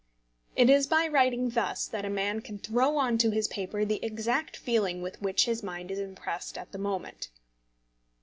It is by writing thus that a man can throw on to his paper the exact feeling with which his mind is impressed at the moment.